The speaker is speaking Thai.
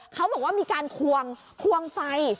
เขาบอกว่ามีการควงควงไฟ